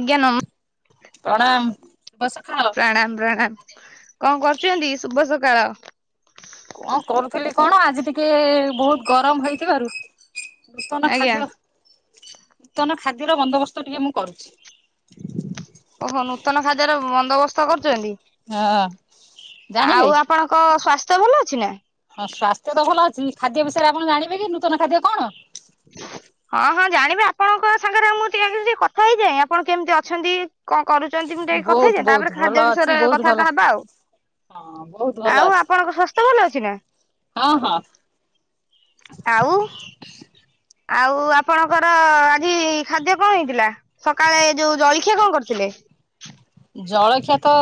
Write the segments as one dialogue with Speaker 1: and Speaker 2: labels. Speaker 1: ଆଜ୍ଞା ନମ୍
Speaker 2: ପ୍ରଣାମ୍ ଶୁଭ ସଖାଳ।
Speaker 1: ପ୍ରଣାମ୍ ପ୍ରଣାମ୍ କଣ କରୁଚନ୍ତି ଶୁଭ ସକାଳ।
Speaker 2: କଁ କରୁଥିଲି କଣ ଆଜି ଟିକେଏ ବହୁତ୍ ଗରମ ହୋଇଥିବାରୁ ନୂତନ
Speaker 1: ଆଜ୍ଞା।
Speaker 2: ଖାଦ୍ୟ। ନୂତନ ଖାଦ୍ୟର ବନ୍ଦୋବସ୍ତ ଟିକେ ମୁଁ କରୁଛି।
Speaker 1: ଓ ହୋ ନୂତନ ଖାଦ୍ୟର ବନ୍ଦୋବସ୍ତ କରୁଛନ୍ତି।
Speaker 2: ହଁ।
Speaker 1: ଆଉ
Speaker 2: ଜାଣିବେ।
Speaker 1: ଆପଣଙ୍କ ସ୍ୱାସ୍ଥ୍ୟ ଭଲ ଅଛି ନା?
Speaker 2: ହଁ ସ୍ଵାସ୍ଥ୍ୟ ତ ଭଲ ଅଛି। ଖାଦ୍ୟ ବିଷୟରେ ଆପଣ ଜାଣିବେ କି ନୂତନ ଖାଦ୍ୟ କଣ।
Speaker 1: ହଁ ହଁ ଜାଣିବି, ଆପଣଙ୍କ ସାଙ୍ଗରେ ମୁଁ ଟିକେ କଥା ହେଇଯାଏ, ଆପଣ କେମିତି ଅଛନ୍ତି। କଣ କରୁଛନ୍ତି ମୁଁ ଟିକେ ଆଗେ କଥା
Speaker 2: ବହୁତ
Speaker 1: ହେଇଯାଏ,
Speaker 2: ବହୁତ
Speaker 1: ତାପରେ
Speaker 2: ଭଲ
Speaker 1: ଖାଦ୍ୟ
Speaker 2: ଅଛି
Speaker 1: ବିଷୟରେ
Speaker 2: ବହୁତ ଭଲ
Speaker 1: କଥାବାର୍ତ୍ତା ହେବା ଆଉ।
Speaker 2: ହଁ ବହୁତ ଭଲ
Speaker 1: ଆଉ
Speaker 2: ଅଛି
Speaker 1: ଆପଣଙ୍କ ସ୍ଵାସ୍ଥ୍ୟ ଭଲ ଅଛି ନା?
Speaker 2: ହଁ ହଁ।
Speaker 1: ଆଉ। ଆଉ ଆପଣଙ୍କର ଆଜି ଖାଦ୍ୟ କଁ ହେଇଥିଲା? ସକାଳେ ଯୋଉ ଜଳଖିଆ କଁ କରିଥିଲେ?
Speaker 2: ଜଳଖିଆ ତ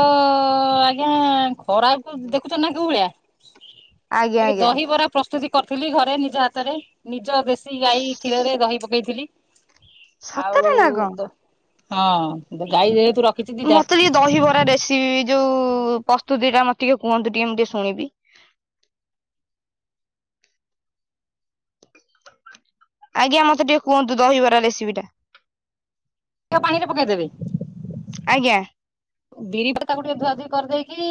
Speaker 2: ଆଜ୍ଞା ଖରାକୁ ଦେଖୁଛନ୍ତି ନା। କୋଉ ଭଳିଆ
Speaker 1: ଆଜ୍ଞା
Speaker 2: ମୁଁ ଟିକେ
Speaker 1: ଆଜ୍ଞା
Speaker 2: ଦହିବରା। ପ୍ରସ୍ତୁତି କରିଥିଲି ଘରେ ନିଜ ହାତରେ, ନିଜ ଦେଶୀ ଗାଈ କ୍ଷୀରରେ ଦହି ପକେଇଥିଲି। ଆଉ
Speaker 1: ସତରେ ନା କଣ?
Speaker 2: ହଁ ଗାଈ ଯେହେତୁ ରଖିଛି ଦିଟା।
Speaker 1: ମତେ ଟିକେ ଦହିିବରା ରେସିପି ଯୋଉ ପ୍ରସ୍ତୁତି ଟା ମତେ ଟିକେ କୁହନ୍ତୁ ଟିକେ ମୁଁ ଟିକେ ଶୁଣିବି। ଆଜ୍ଞା ମତେ ଟିକେ କୁହନ୍ତୁ ଦହିବରା ରେସିପିଟା।
Speaker 2: ଟାକୁ ପାଣିରେ ପକେଇ ଦେବେ।
Speaker 1: ଆଜ୍ଞା।
Speaker 2: ବିରି କୁ ତାକୁ କୁ ଟିକେ ଧୁଆଧିଇ କରିଦେଇକି,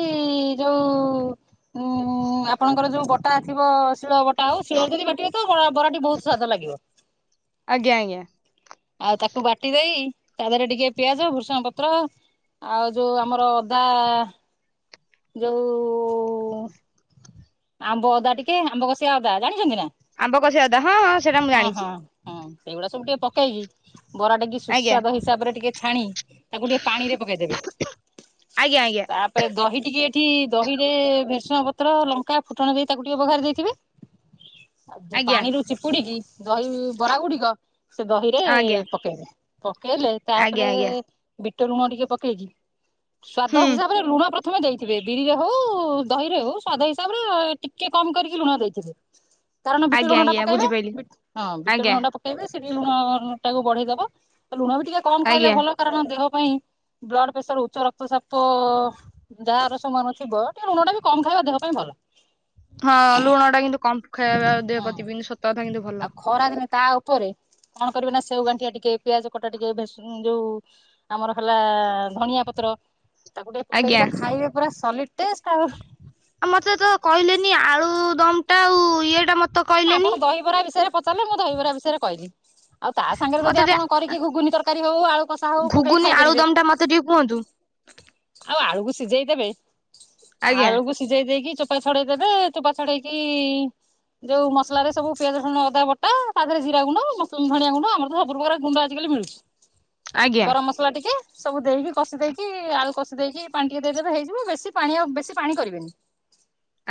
Speaker 2: ଯୋଉ। ଉଁ ଆପଣଙ୍କର ଯୋଉ ବଟା ଥିବ ଶିଳ ବଟା ଆଉ ଶିଳ ରେ ଯଦି ବାଟିବେ ତ ବରା ବରାଟି ବହୁତ ସ୍ବାଦ ଲାଗିବ।
Speaker 1: ଆଜ୍ଞା ଆଜ୍ଞା।
Speaker 2: ଆଉ ତାକୁ ବାଟି ଦେଇ, ତା ଦେହରେ ଟିକେ ପିଆଜ ଭୃସଙ୍ଗ ପତ୍ର। ଆଉ ଯୋଉ ଆମର ଅଦା। ଯୋଉ। ଆମ୍ବ ଅଦା ଟିକେ ଆମ୍ବ କଶିଆ ଅଦା ଜାଣିଛନ୍ତି ନା।
Speaker 1: ଆମ୍ବ କସିଆ ଅଦା। ହଁଁ ହଁ ସେଇଟା ମୁଁ ଜାଣିଛି।
Speaker 2: ହଁ ସେଇଗୁଡା ସବୁ ଟିକେ ପକେଇକି, ବରା ଟିକି।
Speaker 1: ଆଜ୍ଞା
Speaker 2: ସୁସ୍ୱାଦୁ ହିସାବରେ ଟିକେ ଛାଣି ତାକୁ ଟିକେ ପାଣିରେ ପକେଇଦେବେ,
Speaker 1: ଆଜ୍ଞା ଆଜ୍ଞା
Speaker 2: ତା ପରେ ଦହି ଟିକେ ଏଠି ଦହିରେ ଭେସୁଙ୍ଗ ପତ୍ର ଲଙ୍କା ଫୁଟଣ ଦେଇ ତାକୁ ଟିକେ ବଘାରି ଦେଇଥିବେ, ଆଉ ଯୋଉ
Speaker 1: ଆଜ୍ଞା
Speaker 2: ପାଣିରୁ ଚିପୁଡ଼ିକି ଦହି ବରା ଗୁଡିକ ସେ ଦହିରେ
Speaker 1: ଆଜ୍ଞା।
Speaker 2: ପକେଇବେ, ପକେଇଲେ
Speaker 1: ଆଜ୍ଞା
Speaker 2: ତାପରେ
Speaker 1: ଆଜ୍ଞା
Speaker 2: ବିଟ ଲୁଣ ଟିକେ ପକେଇକି,
Speaker 1: ହୁଁ
Speaker 2: ସ୍ଵାଦ ହିସାବରେ ଲୁଣ ପ୍ରଥମେ ଦେଇଥିବେ, ବିରିରେ ହଉ ଦହିରେ ହଉ ସ୍ଵାଦ [unintelligible] [unintelligible] ଟିକେ କମ୍ କରିକି ଲୁଣ ଦେଇଥିବେ। କାରଣ ବିଟ
Speaker 1: ଆଜ୍ଞା
Speaker 2: ଲୁଣ ଟା
Speaker 1: ଆଜ୍ଞା
Speaker 2: ପକେଇବେ,
Speaker 1: ବୁଝିପାଇଲି
Speaker 2: ହଁ ବିଟ
Speaker 1: ଆଜ୍ଞା
Speaker 2: ଲୁଣାଟା [unintelligible] ସେଠି ଲୁଣ ଟାକୁ ବଢେଇ ଦବ, ଲୁଣ ବି ଟିକେ କମ୍ ଖାଇଲେ
Speaker 1: ଆଜ୍ଞା।
Speaker 2: ଭଲ। କାରଣ ଦେହ ପାଇଁ ବ୍ଲଡ୍ ପ୍ରେସର ଉଚ୍ଚ ରକ୍ତଚାପ ଯାହାର ସମାନ ଥିବ ଟିକେ ଲୁଣ ଟା ବି କମ୍ ଖାଇବା ଦେହ ପାଇଁ ଭଲ।
Speaker 1: ହଁ ଲୁଣ ଟା କିନ୍ତୁ କମ୍ ଖାଇବା ଦେହ ପ୍ରତି ସତ କଥା କିନ୍ତୁ ଭଲ।
Speaker 2: ଖରାଦିନେ ତା ଉପରେ କଣ କରିବେ ନା ସେଉ ଗାଣ୍ଠିଆ ଟିକେ ପିଆଜ କଟା ଟିକେ [unintelligible] ଯୋଉ ଆମର ହେଲା ଧଣିଆ ପତ୍ର, ତାକୁ ଟିକେ ପକେଇକି
Speaker 1: ଆଜ୍ଞା।
Speaker 2: ତ ଖାଇବେ ପୁରା ସଲିଡ୍ ଟେଷ୍ଟ ଆଉ।
Speaker 1: ଆଉ ମତେ ତ କହିଲେନି ଆଳୁ ଦମ୍ ଟା ଆଉ ଇଏ ଟା ମ
Speaker 2: ଆପଣ ଦହିବରା ବିଷୟରେ ପଚାରିଲେ, ମୁଁ ଦହିବରା ବିଷୟରେ କଇଲି। ଆଉ ତା ସାଙ୍ଗରେ
Speaker 1: ମତେ
Speaker 2: ଯଦି
Speaker 1: ଟିକେ
Speaker 2: ଆପଣ କରିକି ଘୁଗୁନି ତରକାରୀ ହଉ ଆଳୁ କଷା ହଉ ପକେଇି
Speaker 1: ଘୁଗୁନି
Speaker 2: ଖାଇ ପାରିବେ।
Speaker 1: ଆଳୁଦମ୍ ମତେ ଟିକେ କୁହନ୍ତୁ।
Speaker 2: ଆଉ ଆଳୁକୁ ସିଜେଇଦେବେ,
Speaker 1: ଆଜ୍ଞା
Speaker 2: ଆଳୁକୁ ସି ସିଜେଇ ଦେଇକି ଚୋପା ଛଡେଇ ଦେବେ, ଚୋପା ଛଡେଇକି ଯୋଉ ମସଲାରେ ସବୁ ପିଆଜ ରସୁଣ ଅଦା ବଟା ତା ଦେରେ ଜିରା ଗୁଣ୍ଡ, ଧଣିଆ ଗୁଣ୍ଡ ଆମର ତ ସବୁ ପ୍ରକାର ଗୁଣ୍ଡ ଆଜିକାଲି ମିଳୁଚି
Speaker 1: ଆଜ୍ଞା।
Speaker 2: ଗରମ୍ ମସଲା ଟିକେ ସବୁ ଦେଇକି କଷି ଦେଇକି ଆଳୁ କଷି ଦେଇକି ପାଣି ଟିକେ ଦେଇଦେବେ ହେଇଯିବ, ବେଶୀ ପାଣି ଆଉ ବେଶୀ ପାଣି କରିବେନି।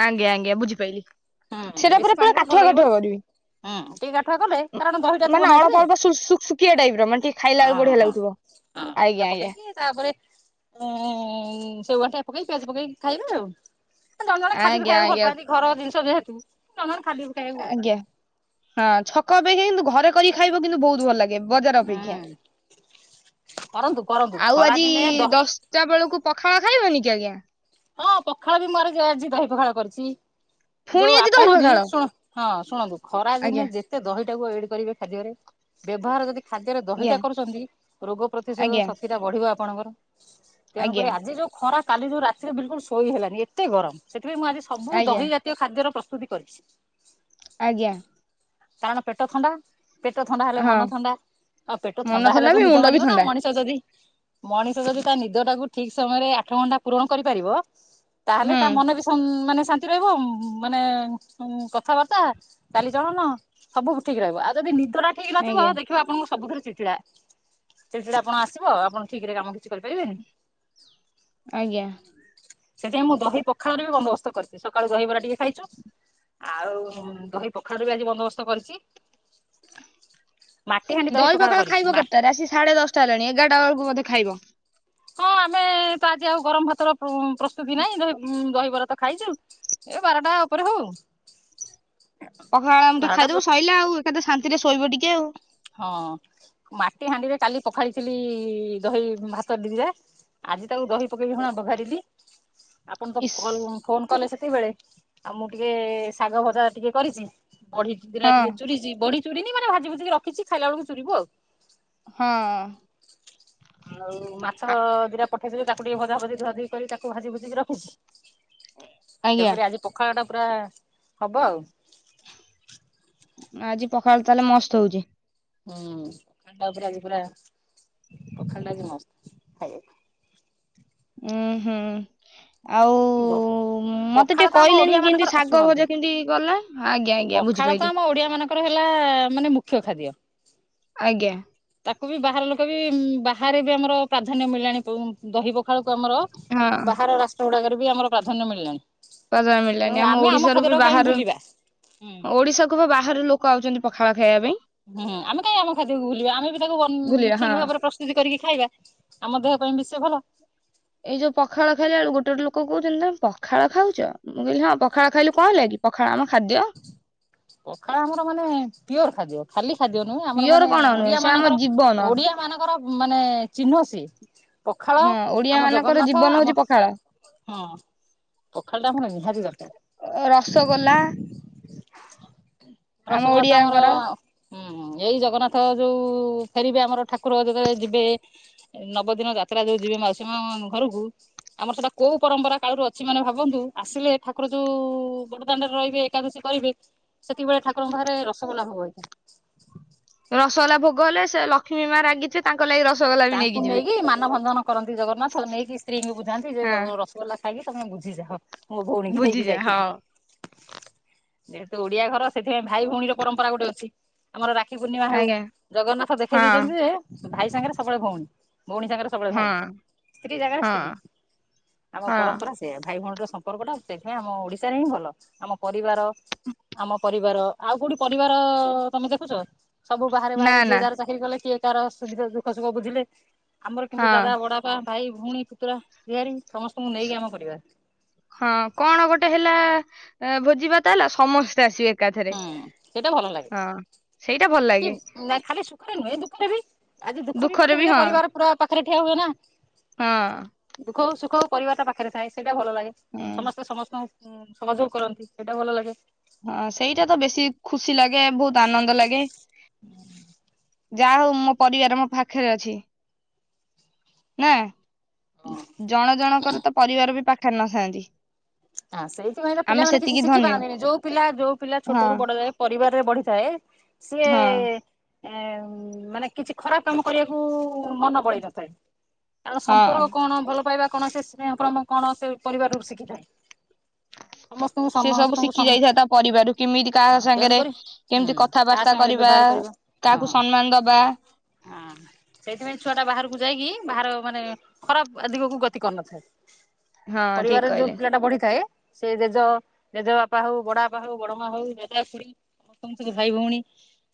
Speaker 1: ଆଜ୍ଞା-ଆଜ୍ଞା ବୁଝିପାଇଲିି,
Speaker 2: ହୁଁ
Speaker 1: ସେଟା
Speaker 2: ବେଶୀ ପାଣି
Speaker 1: ପୁରା-ପୁରା
Speaker 2: କଲେ ଭଲ
Speaker 1: କାଠୁଆ-କାଠୁଆ
Speaker 2: ଲାଗିବନି ହୁଁ ଟିକେ ଗାଠୁଆ କଲେ
Speaker 1: କରିବି।
Speaker 2: କାରଣ ଦହିଟା ଥିବ ନା
Speaker 1: ମାନେ
Speaker 2: ଏଥିରେ
Speaker 1: ଅଳପ ଅଳ୍ପ
Speaker 2: ହଁ
Speaker 1: [unintelligible] ସୁୁଖିଆ ଟାଇପ୍ ର ମାନେ ଟିକେ ଖାଇଲା ବେଳୁକୁ
Speaker 2: ହଁ
Speaker 1: ବଢିଆ
Speaker 2: ହଁ
Speaker 1: ଲାଗୁଥିବ।
Speaker 2: ସେଇଟା
Speaker 1: ଆଜ୍ଞା-ଆଜ୍ଞା।
Speaker 2: ପକେଇକି ତାପରେ ଉଁ ସେଓ ଗାଣ୍ଠିଆ ପକେଇକି ପିଆଜ ପକେଇକି ଖାଇବେ ଆଉ। ଜଣେ-ଜଣେ ଖାଲି ବିି
Speaker 1: ଆଜ୍ଞା
Speaker 2: ଖାଇବାକୁ ଭଲ
Speaker 1: ଆଜ୍ଞା।
Speaker 2: ପାଆନ୍ତି, ଘର ଜିନଷ ଯେହେତୁ ଜଣେ-ଜଣେ ଖାଲି ବି ଖାଇବାକୁ ଭଲ
Speaker 1: ଆଜ୍ଞା
Speaker 2: ପାଆନ୍ତି।
Speaker 1: ହଁ ଛକ ଅପେକ୍ଷା କିନ୍ତୁ ଘରେ କରିିକି ଖାଇବ କିନ୍ତୁ ବହୁତ୍ ଭଲ୍ ଲାଗେ। ବଜାର ଅପେକ୍ଷା,
Speaker 2: ହୁଁ କରନ୍ତୁ କରନ୍ତୁ
Speaker 1: ଆଉ
Speaker 2: ଖରା
Speaker 1: ଆଜି
Speaker 2: ଦିନେ ଦହି
Speaker 1: ଦଶ୍ ଟା ବେଳକୁ ପଖଳ ଖାଇବେନି କି ଆଜ୍ଞା?
Speaker 2: ହଁ ପଖାଳ ବି [unintelligible] ଆଜି ଦହି ପଖାଳ କରିଚି।
Speaker 1: ଫୁଣି
Speaker 2: ଯୋଉ
Speaker 1: ଆଜି ଦହି
Speaker 2: ଆପଣ ବି
Speaker 1: ପଖାଳ
Speaker 2: ଶୁଣ ହଁ ଶୁଣନ୍ତୁ ଖରାଦିନେ
Speaker 1: ଆଜ୍ଞା
Speaker 2: ଯେ ସେ ଦହିଟାକୁ ଏଡ୍ କରିବେ ଖାଦ୍ୟରେ, ବ୍ୟବହାର ଯଦି ଖାଦ୍ୟରେ ଦହିଟା
Speaker 1: ଆଜ୍ଞା
Speaker 2: କରୁଚନ୍ତି, ରୋଗ ପ୍ରତିଶୋଧ
Speaker 1: ଆଜ୍ଞା
Speaker 2: ଶକ୍ତି ଟା ବଢିବ ଆପଣଙ୍କର।
Speaker 1: ଆଜ୍ଞା
Speaker 2: ତେଣୁକରି ଆଜି ଯୋଉ ଖରା କାଲି ଯୋଉ ରାତିରେ ବିଲକୁଲ୍ ଶୋଇ ହେଲାନି ଏତେ ଗରମ୍, ସେଥିପାଇଁ ମୁଁ ଆଜି ସବୁ
Speaker 1: ଆଜ୍ଞା
Speaker 2: ଦହି ଜା ତୀୟ ଖାଦ୍ୟର ପ୍ରସ୍ତୁତି କରିଛି।
Speaker 1: ଆଜ୍ଞା।
Speaker 2: କାରଣ ପେଟ ଥଣ୍ଡା ପେଟ ଥଣ୍ଡା ହେଲେ ମନ
Speaker 1: ହଁ
Speaker 2: ଥଣ୍ଡା, ଆଉ ପେଟ
Speaker 1: ମନ
Speaker 2: ଥଣ୍ଡା ହେଲେ ତ
Speaker 1: ବି
Speaker 2: ନିଦ
Speaker 1: ମୁଣ୍ଡ ବି
Speaker 2: ମାଡିବ ନା
Speaker 1: ଥଣ୍ଡା
Speaker 2: ମଣିଷ ଯଦି ମଣିଷ ଯଦି ତା ନିଦ ଟାକୁ ଠିକ୍ ସମୟରେ ଆଠ ଘଣ୍ଟା ପୂରଣ କରିପାରିବ, ତାହେଲେ
Speaker 1: ହୁଁ
Speaker 2: ତା ମନ ବି ମାନେ ଶାନ୍ତି ରହିବ ମାନେ କଥାବାର୍ତ୍ତା କାଲି [unintelligible] ସବୁ ଠିକ୍ ରହିବ ଆଉ ଯଦି ନିଦ ଟା ଠିକ ନଥିବ,
Speaker 1: ଆଜ୍ଞା
Speaker 2: ଦେଖିବ ଆପଣଙ୍କୁ ସବୁଥିରେ ଚିଡ୍ଚିଡା। ଚିଡ୍ଚିଡା ପଣ ଆସିବ ଆପଣ ଠିକ୍ ରେ କାମ କିଛି କରିପାରିବେନି।
Speaker 1: ଆଜ୍ଞା।
Speaker 2: ସେଥିପାଇଁ ମୁଁ ଦହି ପଖାଳର ବି ବନ୍ଦୋବସ୍ତ କରଚି ସକାଳୁ ଦହିବରା ଟିକେ ଖାଇଚୁ। ଆଉ ଦହି ପଖାଳର ବି ଆଜି ବନ୍ଦୋବସ୍ତ କରିଚି।
Speaker 1: ଦହି ପଖାଳ ଖାଇବ କେତେଟାରେ ଆସିକି ସାଢେ ଦଶଟା ହେଲାଣି ଏଗାରଟା ବେଳକୁ ବୋଧେ ଖାଇବ।
Speaker 2: ହଁ ଆମେ ପା ଆଜି ଆଉ ଗରମ ଭାତର ପ୍ର ପ୍ରସ୍ତୁତି ନାହିଁ ଦହି ଦହିବରା ତ ଖାଇଚୁ। ଏବେ ବାରଟା ଓପରେ ହୋଉ
Speaker 1: ପଖାଳ ଆ ମୁଠେ ଖାଇଦବ ସଇଲା ଆଉ ଏକାତ ଶାନ୍ତିରେ ଶୋଇବ ଟିକେ ଆଉ।
Speaker 2: ହଁ ମାଟି ହାଣ୍ଡିରେ କାଲି ପଖାଳିଥିଲି ଦହି ଭାତ ଦିରେ। ଆଜି ତାକୁ ଦହି ପକେଇବି ହଁ ପଘାରିଲି। ଆପଣ ତ
Speaker 1: ଇସ୍
Speaker 2: କଲ ଫୋନ କଲେ ସେତିକିବେଳେ ଆଉ ମୁଁ ଟିକେ ଶାଗ ଭଜା ଟିକେ କରିଚି। ବଢି
Speaker 1: ହଁ
Speaker 2: ଦିଟା ଟିକେ ଚୁରିଚି ବଢି ଚୁରିନି ମାନେ ଭଜି ଭୁଜିିକି ରଖିଚି ଖାଇଲା ବେଳକୁ ଚୁରିବୁ ଆଉ।
Speaker 1: ହଁ।
Speaker 2: ଆଉ ମାଛ
Speaker 1: ଆ
Speaker 2: ଦିଟା ପଠେଇଥିଲି ତାକୁ ଟିକେ ଭଜା ଭଜି ଧୁଆ ଧୁଇ କରି ତାକୁ ଭାଜି ଭୁଜିିକି ରଖୁଛି।
Speaker 1: ଆଜ୍ଞା
Speaker 2: ତେଣୁକରି ଆଜି ପଖାଳଟା ପୁରା ହବ ଆଉ।
Speaker 1: ଆଜି ପଖାଳ ତାହେଲେ ମସ୍ତ ହୋଉଚି।
Speaker 2: ହୁଁ ପଖାଳଟା ପୁରା ଆଜି ପୁରା ପଖାଳଟା ଆଜି ମସ୍ତ ଖାଇବାକୁ।
Speaker 1: ଉଁ ହୁଁ। ଆଉ
Speaker 2: ଗ
Speaker 1: ମତେ
Speaker 2: ପଖାଳ
Speaker 1: ଟିକେ
Speaker 2: ତ ଆମ
Speaker 1: କହିଲେନି
Speaker 2: ଓଡିଆ
Speaker 1: କେମିତି
Speaker 2: ମାନଙ୍କର
Speaker 1: ଶାଗ
Speaker 2: ଶୁଣନ୍ତୁ
Speaker 1: ଭଜା କେମିତି ଗଲା ଆଜ୍ଞା ଆଜ୍ଞା
Speaker 2: ପଖାଳ ତ
Speaker 1: ବୁଝିପାଇଲି
Speaker 2: ଆମ ଓଡିଆ ମାନଙ୍କ ତାଙ୍କର ହେଲା ମାନେ ମୁଖ୍ୟ ଖାଦ୍ୟ
Speaker 1: ଆଜ୍ଞା।
Speaker 2: ତାକୁ ବି ବାହାର ଲୋକ ବି ଉମ୍ ବାହାରେ ବି ଆମର ପ୍ରାଧାନ୍ୟ ମିିଳିଲାଣି ପୁ ଦହି ପଖାଳକୁ ଆମର
Speaker 1: ହଁ
Speaker 2: ବାହାର ରାଷ୍ଟ୍ର ଗୁଡାକରେ ବି ଆମର ପ୍ରାଧାନ୍ୟ ମିଳିଲାଣି।
Speaker 1: ପ୍ରାଧାନ୍ୟ
Speaker 2: ତେଣୁ
Speaker 1: ମିଳିଲାଣି ଆମ
Speaker 2: ଆମେ
Speaker 1: ଓଡିଶାରୁ ବି
Speaker 2: ଖାଦ୍ୟଟାକୁ କାହିଁ
Speaker 1: ବାହାରୁ
Speaker 2: ଭୁଲିବା। ହୁଁ
Speaker 1: ଓଡିଶାକୁ କୁ ପା ବାହାରୁ ଲୋକ ଆଉଚନ୍ତି ପଖାଳ ଖାଇବା ପାଇଁ।
Speaker 2: ହୁଁ ଆମେ କାଇଁ ଆମ ଖାଦ୍ୟକୁୁ ଭୁଲିବା ଆମେ ବି ତାକୁ ବନ୍ ଉଁ
Speaker 1: ବୁଲିବା ହଁ
Speaker 2: ଠିକ ଭାବରେ ପ୍ର ତୁତି କରିକି ଖାଇବା ଆମ ଦେହ ପାଇଁ ବି ସେ ଭଲ।
Speaker 1: ଏଇ ଯୋଉ ପଖାଳ ଖାଇଲା ବେଳୁ ଗୋଟେ ଗୋଟେ ଲୋକ କୋହୁଚନ୍ତି ତମେ ପଖାଳ ଖାଉଚ। ମୁଁ କହିଲି ପଖାଳ ଖାଇଲୁ କଣ ହେଲା କି ପଖାଳ ଆମ ଖାଦ୍ୟ।
Speaker 2: ପଖାଳ ଆମର ମାନେ ପିଓର ଖାଦ୍ୟ। ଖାଲି ଖାଦ୍ୟ ନୁହେଁ ଆମର
Speaker 1: ପିଓର
Speaker 2: ମାନେ
Speaker 1: କଣ ନୁହେଁ
Speaker 2: ଓଡିଆ
Speaker 1: ସେ ଆମ
Speaker 2: ମାନଙ୍କର
Speaker 1: ଜୀବନ
Speaker 2: ଓଡିଆ ମାନଙ୍କର ମାନେ ଚିହ୍ନ ସିଏ ପଖାଳ,
Speaker 1: ହଁ ଓଡିଆ
Speaker 2: ଆମ
Speaker 1: ମାନଙ୍କର
Speaker 2: ଜଗନ୍ନାଥ,
Speaker 1: ଜୀବନ ହଉଛି
Speaker 2: ଆମ
Speaker 1: ପଖାଳ
Speaker 2: ହଁ ପଖାଳଟା ଆମର ନିହାତି ଦରକାର।
Speaker 1: ଓ ରସଗୋଲା।
Speaker 2: ହ
Speaker 1: ଆମ
Speaker 2: ରସଗୋଲା ତ ଆମର
Speaker 1: ଓଡିଆଙ୍କର
Speaker 2: ହୁଁ ଏଇ ଜଗନ୍ନାଥ ଯୋଉ ଫେରିବେ ଆମର ଠାକୁର ଯେତେବେଳେ ଯିବେ ଏଇ ନବଦିନ ଯାତ୍ରା ଯୋଉ ଯିବେ ମାଉସୀ ମାଆ ଘରକୁ ଆମର ସେଟା କୋଉ ପରମ୍ପରା କାଳରୁ ଅଛି ମାନେ ଭାବନ୍ତୁ ଆସିଲେ ଠାକୁର ଯୋଉ ବଡ ଦାଣ୍ଡରେ ରହିବେ ଏକାଦଶୀ କଇବେ ସେତିକି ବେଳେ ଠାକୁରଙ୍କ ପାଖରେ ରସଗୋଲା ହେଇଥାଏ।
Speaker 1: ରସଗୋଲା ଭୋଗ ହେଲେ ସେ ଲକ୍ଷ୍ମୀ ମାଆ ରାଗି ଥି ତାଙ୍କ ଲାଗି ରସଗୋଲା ବି
Speaker 2: ତାଙ୍କୁ
Speaker 1: ଯିବେ
Speaker 2: ନେଇକି ମାନ ଭଞ୍ଜନ କରନ୍ତି ଜଗନ୍ନାଥ ନେଇକି ସ୍ତ୍ରୀଙ୍କୁ ବୁଝାନ୍ତି ଯେ ଜଗ
Speaker 1: ହଁ
Speaker 2: ରସଗୋଲା ଖାଇକି ତମେ ବୁଝିଯାଅ ମୋ ଭୋଉଣୀକି ନେଇକି
Speaker 1: ବୁଝିଯା ହଁ
Speaker 2: ଯାଇଥିଲି। ଯେହେତୁ ଓଡିଆ ଘର ସେଥିପାଇଁ ଭାଇ ଭୋଉଣୀର ପରମ୍ପରା ଗୋଟେ ଅଛି। ଆମର ରାକ୍ଷୀ ପୂର୍ଣ୍ଣିମା ହଉ
Speaker 1: ଆଜ୍ଞା
Speaker 2: ଜଗନ୍ନାଥ ଦେଖେଇ
Speaker 1: ହଁ
Speaker 2: ଦେଇେଇଛନ୍ତି ଯେ ଭାଇ ସାଙ୍ଗରେ ସବୁବେଳେ ଭଉଣୀ ଭଉଣୀ ସାଙ୍ଗରେ ସବୁବେଳେ
Speaker 1: ହଁ
Speaker 2: ଭାଇ ସ୍ତ୍ରୀ ଜାଗାରେ
Speaker 1: ହଁ
Speaker 2: ସ୍ତ୍ରୀ ଆମ
Speaker 1: ହଁ
Speaker 2: ପରମ୍ପରା ସେଇଆ ଭାଇ ଭଉଣୀର ସମ୍ପର୍କ ଟା ସେଥିପାଇଁ ଆମ ଓଡିଶାରେ ହିଁ ଭଲ, ଆମ ପରିବାର ଆମ ପରିବାର ଆଉ କୋଉଠି ପରିବାର ତମେ ଦେଖୁଛ? ସବୁ ବାହାରେ
Speaker 1: ନା
Speaker 2: ବାହାରେ ଯିଏ
Speaker 1: ନା
Speaker 2: ଯାହାର ଚାକିରି କଲେ କିଏ ତାର ସୁବିଧା ଦୁଃଖ ସୁଖ ବୁଝିଲେ ଆମର କିନ୍ତୁ ଦାଦା
Speaker 1: ହଁ
Speaker 2: ବଡା ବାପା, ଭାଇ, ଭଉଣୀ, ପୁତୁରା, ଝିହାରୀ ସମସ୍ତଙ୍କୁ ନେଇକି ଆମ ପରିବାର।
Speaker 1: ହଁ କଣ ଗୋଟେ ହେଲା ଭୋଜି ଭାତ ହେଲା ସମସ୍ତେ ଆସିବେ। ଏକାଥରେ
Speaker 2: ହୁଁ ସେଇଟା ଭଲ ଲାଗେ,
Speaker 1: ହଁ ସେଇଟା ଭଲ
Speaker 2: କି
Speaker 1: ଲାଗେ
Speaker 2: ନା ଖାଲି ସୁଖରେ ନୁହେଁ ଦୁଃଖରେ ବି ଆଜି ଦୁଃଖ ବି
Speaker 1: ଦୁଃଖରେ
Speaker 2: ପଡିଥିଲେ
Speaker 1: ହଁ
Speaker 2: ପରିବାର ପୁରା ପାଖରେ ଠିଆ ହୁଏ ନା।
Speaker 1: ହଁ।
Speaker 2: ଦୁଃଖ ହଉ ସୁଖ ହଉ ପରିବାରଟା ପାଖରେ ଥାଏ ସେଇଟା ଭଲ ଲାଗେ
Speaker 1: ହୁଁ
Speaker 2: ସମସ୍ତେ ସମସ୍ତଙ୍କୁ ହୁଁ ସମାଯୋଗ କରନ୍ତି ସେଇଟା ଭଲ ଲାଗେ।
Speaker 1: ହଁ ସେଇଟା ତ ବେଶୀ ଖୁସି ଲାଗେ ବହୁତ ଆନନ୍ଦ ଲାଗେ।
Speaker 2: ହୁଁ।
Speaker 1: ଯାହା ହଉ ମୋ ପରିବାର ମୋ ପାଖରେ ଅଛି, ନା। ଜଣ ଜଣଙ୍କର ତ ପରିବାର ବି ପାଖରେ ନଥାନ୍ତି।
Speaker 2: ହଁ ସେଇଥିପାଇଁ ତ
Speaker 1: ଆମେ
Speaker 2: ପିଲାମାନେ କିଛି
Speaker 1: ସେତିକି ଧନ୍ୟ
Speaker 2: ଶିଖିପାରନ୍ତିନି, ଯୋଉ ପିଲା ଯୋଉ ପିଲା
Speaker 1: ହଁ
Speaker 2: ଛଟରୁ ବଡ ଯାଏ ପରିବାରରେ ବଢିଥାଏ ସିଏ
Speaker 1: ହଁ
Speaker 2: ଏ ମାନେ କିଛି ଖରାପ କାମ କରିବାକୁ ମନ ବଳେଇ ନଥାଏ। କାରଣ
Speaker 1: ହଁ
Speaker 2: ସମ୍ପର୍କ କଣ ଭଲ ପାଇବା କଣ ସେ ସ୍ନେହ ପ୍ରମ କଣ ସେ ପରିବାରରୁ ଶିଖିଥାଏ। ସମସ୍ତଙ୍କୁ
Speaker 1: ସେ ସବୁ
Speaker 2: ସମସ୍ତଙ୍କୁ
Speaker 1: ଶିଖି
Speaker 2: ସମ
Speaker 1: ଯାଇଥାଏ ତା ପରିବାରରୁ କେମିତି କାହା
Speaker 2: ହଁ
Speaker 1: ସାଙ୍ଗରେ
Speaker 2: ତେଣୁକରି ହୁଁ
Speaker 1: କେମିତି
Speaker 2: କାହା
Speaker 1: କଥାବାର୍ତା
Speaker 2: ସାଙ୍ଗରେ
Speaker 1: କରିବା
Speaker 2: ବ୍ୟବହାର କରିବ
Speaker 1: କାହାକୁ
Speaker 2: ହଁ
Speaker 1: ସମ୍ମାନ ଦବା।
Speaker 2: ହଁ। ସେଇଥିପାଇଁ ଛୁଆ ଟା ବାହାରକୁ ଯାଇକି ବାହାର ମାନେ ଖରାପ ଦିଗକୁ ଗତି କରିନଥାଏ।
Speaker 1: ହଁ ଠିକ
Speaker 2: ପରିବାରରେ ଯୋଉ
Speaker 1: କହିଲେ
Speaker 2: ପିଲାଟା ବଢି ଥାଏ, ସେ ଜେଜ ଜେଜ ବାପା ହଉ ବଡ ବାପା ହଉ ବଡ ମା ହଉ ଜେଜ ଖୁଡି ସମସ୍ତସ୍ତଙ୍କ ସହ ଭାଇ ଭଉଣୀ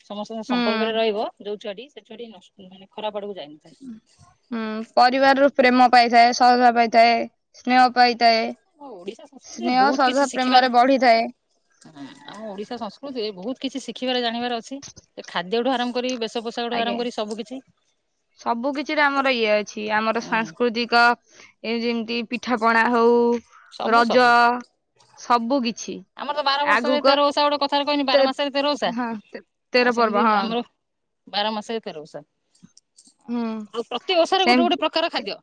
Speaker 2: ସମସ୍ତଙ୍କ
Speaker 1: ହୁଁ
Speaker 2: ସମ୍ପର୍କରେ ରହିବ ଯୋଉ ଛୁଆଟି ସେ ଛୁଆଟି ନଷ ମାନେ ଖରାପ ଆଡକୁ ଯାଇନଥାଏ।
Speaker 1: ହଁ ପରିବାରରୁ ପ୍ରେମ ପାଇଥାଏ ଶ୍ରଦ୍ଧା ପାଇଥାଏ। ସ୍ନେହ ପାଇଥାଏ
Speaker 2: ଆମ ଓଡିଶା ସଂସ୍କୃତିରେ
Speaker 1: ସ୍ନେହ, ଶ୍ରଦ୍ଧା, ପ୍ରେମରେ ବଢିଥାଏ।
Speaker 2: ହଁ ଆମ ଓଡିଶା ସଂସ୍କୃତିରେ ବହୁତ କିଛି ଶିଖିବାର ଜାଣିବାର ଅଛି। ସେ ଖାଦ୍ୟ ଠୁ ଆରମ୍ଭ କରି ବେଶ ପସ
Speaker 1: ଆଜ୍ଞା ସବୁ କିଛିରେ ଆମର ଇଏ ଅଛି ଆମର
Speaker 2: ହୁଁ
Speaker 1: ସାଂସ୍କୃତିକ ଏ ଯେମିତି ପିଠା ପଣା ହଉ,
Speaker 2: ସବୁ
Speaker 1: ରଜ
Speaker 2: ସବୁ
Speaker 1: ସବୁ କିଛି।
Speaker 2: ଆମର ତ ବାର ବର୍ଷରେ
Speaker 1: ଆଗକୁ
Speaker 2: ତେର ଓଷା ଗୋଟେ କଥାରେ କହିନି ବାର
Speaker 1: ଏତେ
Speaker 2: ମାସରେ ତେର ଓଷା,
Speaker 1: ହଁ ତେ
Speaker 2: ଆଉ
Speaker 1: ତେର ପର୍ବ
Speaker 2: ସେମିତି
Speaker 1: ହଁ
Speaker 2: ଆମର ବାର ମାସ ରେ ତେର ଓଷା ଆ
Speaker 1: ହୁଁ
Speaker 2: ଆଉ ପ୍ରତି ଓଷାରେ ଗୋଟେ
Speaker 1: ସେମିତି
Speaker 2: ଗୋଟେ ପ୍ରକାର ଖାଦ୍ୟ।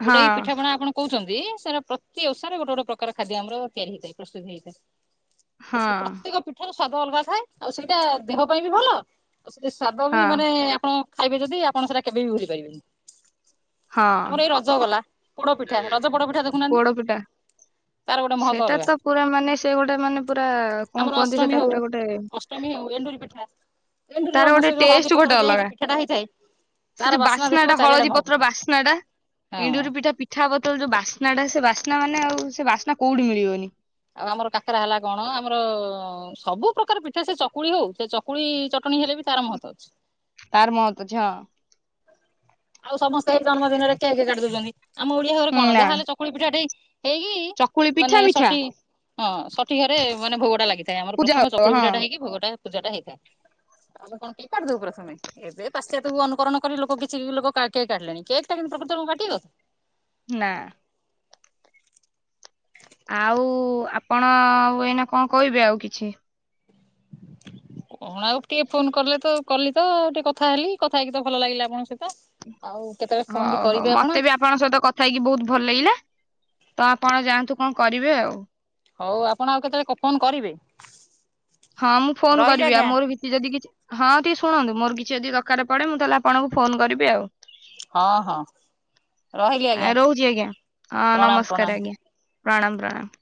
Speaker 2: ଯୋଉଟା ଏଇ
Speaker 1: ହଁ
Speaker 2: ପିଠାପଣା ଆପଣ କହୁଛନ୍ତି ସେଟା ପ୍ରତି ଓଷା ରେ ଗୋଟେ ଗୋଟେ ପ୍ରକାର ଖାଦ୍ୟ ଆମର ତିଆରି ହେଇଥାଏ। ପ୍ରସ୍ତୁତ ହେଇଥାଏ, ଆଉ ସେ
Speaker 1: ହଁ
Speaker 2: ପ୍ରତେକ ପି ସେଠାରୁ ସ୍ଵାଦ ଅଲଗା ଥାଏ ଆଉ ସେଇଟା ଦେହ ପାଇଁ ବି ଭଲ ଆଉ ସେ ସ୍ଵାଦ ବି
Speaker 1: ହଁ
Speaker 2: ମାନେ ଆପଣ ଖାଇବେ ଯଦି ଆପଣ ସେଟା କେବେ ବି ଭୁଲି ପାରିବେନି,
Speaker 1: ହଁ
Speaker 2: ଆମର ଏଇ ରଜ ଗଲା ପୋଡପିଠା ରଜ ପୋଡ ପିଠା ଦେଖୁନାହାନ୍ତି
Speaker 1: ପୋଡପିଠା
Speaker 2: ତାର ଗୋଟେ ମହତ୍ବ
Speaker 1: ସେଟା
Speaker 2: ଅଲଗା।
Speaker 1: ତ ପୁରା ମାନେ ସେ ଗୋଟେ ମାନେ ପୁରା କଣ କୁହନ୍ତି ସେଟା ପୁରା ଗୋଟେ
Speaker 2: ଚମି ହେଉ ଏଣ୍ଡୁରି ପିଠା
Speaker 1: ତାର
Speaker 2: ଏଣ୍ଡୁରିର
Speaker 1: ଗୋଟେ
Speaker 2: ସେ ଯୋଉ
Speaker 1: ଟେଷ୍ଟ
Speaker 2: ହଳଦୀ
Speaker 1: ଗୋଟେ
Speaker 2: ପତ୍ର ଦିଆ
Speaker 1: ଅଲଗା
Speaker 2: ହେଇକି ପିଠାଟା ହେଇଥାଏ
Speaker 1: ସେ
Speaker 2: ତାର
Speaker 1: ଯୋଉ
Speaker 2: ବାସ୍ନା ଦେଖିବ
Speaker 1: ବାସ୍ନାଟା
Speaker 2: ଚାରିଆଡେ
Speaker 1: ହଳଦୀ ପତ୍ର
Speaker 2: ମହକୁଥାଏ
Speaker 1: ବାସ୍ନାଟା
Speaker 2: ହଁ
Speaker 1: ଏଣ୍ଡୁରି ପିଠା ପି ମିିଠା ବୋତଲ ଯୋଉ ବାସ୍ନାଟା ସେ ବାସ୍ନା ମାନେ ଆଉ ସେ ବାସ୍ନା କୋଉଠି ମିଳିବନି।
Speaker 2: ଆଉ ଆମର କାକରା ହେଲା କଣ ଆମର ସବୁ ପ୍ରକାର ପିଠା ସେ ଚକୁଳି ହଉ ସେଚ କୁଳି ଚଟଣି ହେଲେ ବି ତାର ମହତ ଅଛି।
Speaker 1: ତାର ମହତ୍ଵ ଅଛି ହଁ।
Speaker 2: ଆଉ ସମସ୍ତେ ଏଇ ଜନ୍ମଦିନରେ କେକେ କାଟି ଦଉଛନ୍ତି ଆମ ଓଡିଆ ଘରେ
Speaker 1: ହୁଁ
Speaker 2: କଣ
Speaker 1: ନା
Speaker 2: ଯାହାହେଲେ ଚକୁଳି ପିଠାଟେ ହେଇକି
Speaker 1: ଚକୁଳି
Speaker 2: ମାନେ
Speaker 1: ପିଠା ମିଠା।
Speaker 2: ସଟି ହଁ ସଠି ଘରେ ମାନେ ଭୋଗଟା ଲାଗିଥାଏ ଆମର
Speaker 1: ପୂଜା
Speaker 2: ପ୍ରଥମ
Speaker 1: ହବ
Speaker 2: ଚକୁଳି
Speaker 1: ହଁ
Speaker 2: ପିଠାଟା ହେଇିକି ଭୋଗଟା ପୂଜା ଟା ହେଇଥାଏ ଆମେ କଣ କେକ କାଟିଦବୁ ପ୍ରଥମେ ଏବେ ପାଶ୍ଚାତ୍ୟ କୁ ଅନୁକରଣ କରି ଲୋକ କିଛି ଲୋକ କା କେକ କାଟିଲେଣି କେକ୍ ଟା କିନ୍ତୁ ପ୍ରକୃତରେ କଣ କାଟିିବା କଥା।
Speaker 1: ନା। ଆଉ ଆପଣ ଉ ଏଇନା କଣ କହିବେ ଆଉ କିଛି?
Speaker 2: କଣ ଆଉ ଟିକେ ଫୋନ କଲେ ତ କଲିତ ଆଉ ଟିକେ କଥା ହେଲି କଥା ହେଇକି ତ ଭଲ ଲାଗିଲା ଆପଣଙ୍କ ସହିତ। ଆଉ କେତେବେଳେ ଫୋନ
Speaker 1: ହଉ
Speaker 2: ବି
Speaker 1: ହଉ
Speaker 2: କରିବେ
Speaker 1: ମତେ
Speaker 2: ଆପଣ।
Speaker 1: ବି ଆପଣଙ୍କ ସହିତ କଥା ହେଇକି ବହୁତ ଭଲ ଲାଗିଲା ତ ଆପଣ ଯାଆନ୍ତୁ କଣ କରିବେ ଆଉ।
Speaker 2: ହଉ ଆପଣ ଆଉ କେତେବେଳେ କ ଫୋନ କରିବେ?
Speaker 1: ହଁ ମୁଁ ଫୋନ
Speaker 2: ରହିଲି
Speaker 1: କରିବି ଆ
Speaker 2: ଆଜ୍ଞା
Speaker 1: ମୋର ବି କିଛି ଯଦି କିଛି ହଁ ଟିକେ ଶୁଣନ୍ତୁ ମୋର କିଛି ଯଦି ଦରକାର ପଡେ ମୁଁ ତାହେଲେ ଆପଣଙ୍କୁ ଫୋନ କରିବି ଆଉ।
Speaker 2: ହଁ ହଁ ରହିଲି ଆଜ୍ଞା
Speaker 1: ଏ ରହୁଛି ଆଜ୍ଞା ଅଁ
Speaker 2: ପ୍ରଣାମ ପ୍ରଣାମ।
Speaker 1: ନମସ୍କାର ଆଜ୍ଞା। ପ୍ରାଣାମ, ପ୍ରାଣାମ।